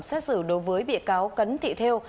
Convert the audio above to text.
xét xử đối với bịa cáo cấn thị thêu